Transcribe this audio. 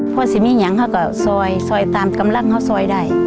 พอสิมีอย่างเขาก็ซอยซอยตามกำลังเข้าซอยได้